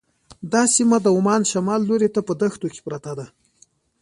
دا سیمه د عمان شمال لوري ته په دښتو کې پرته ده.